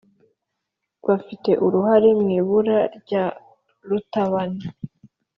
bafite uruhare mu ibura rya rutabana